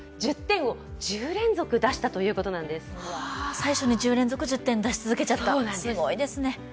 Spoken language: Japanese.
最初に１０点を１０連続出しちゃった、すごいですね。